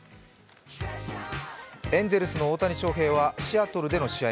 エンゼルスの大谷翔平はシアトルでの試合